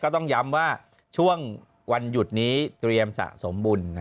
ต้องย้ำว่าช่วงวันหยุดนี้เตรียมสะสมบุญ